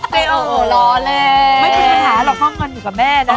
ไม่าอยึดสัดหาหรอกท่อเงินอยู่กับแม่เนี้ย